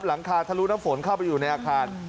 หลังคาทะลุน้ำฝนเข้าไปอยู่ในอาคาร